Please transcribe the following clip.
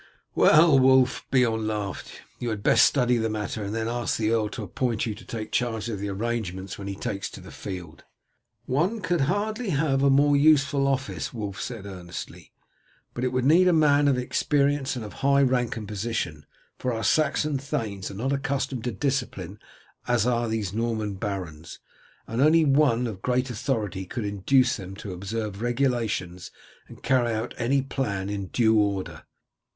"Well, Wulf," Beorn laughed, "you had best study the matter, and then ask the earl to appoint you to take charge of the arrangements when he takes the field." "One could hardly have a more useful office," Wulf said earnestly; "but it would need a man of experience and of high rank and position, for our Saxon thanes are not accustomed to discipline as are these Norman barons, and only one of great authority could induce them to observe regulations and carry out any plan in due order."